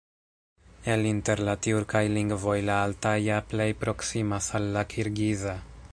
El inter la tjurkaj lingvoj la altaja plej proksimas al la kirgiza.